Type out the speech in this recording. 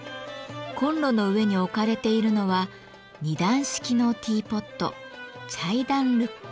コンロの上に置かれているのは２段式のティーポットチャイダンルック。